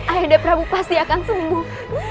ayah nda prabu pasti akan sembuh